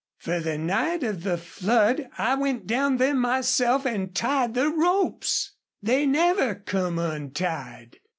Fer the night of the flood I went down there myself an' tied the ropes. They never come untied.